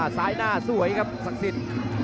สายหน้าสวยครับศักดิ์ศิลป์